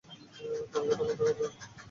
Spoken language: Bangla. দরজাটা বন্ধ করে রাখ।